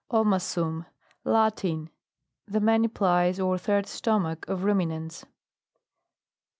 OMASUM. Latin. The manyplies, or third stomach of ruminants.